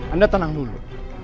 anda tenang dulu